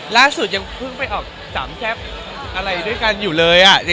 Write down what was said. ล่าสุดยังเพิ่งไปออกสามแซ่บอะไรด้วยกันอยู่เลย